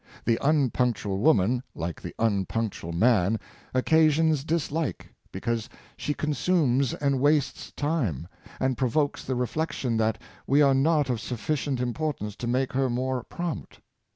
The unpunctual woman, like the unpunctual man, occasions dislike, be cause she consumes and wastes time, and provokes the reflection that we are not of sufficient importance to make her more prompt.